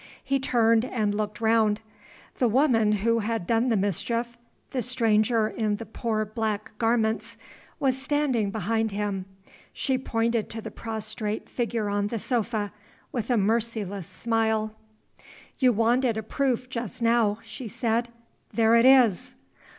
He turned and looked round. The woman who had done the mischief the stranger in the poor black garments was standing behind him. She pointed to the prostrate figure on the sofa, with a merciless smile. "You wanted a proof just now," she said. "There it is!"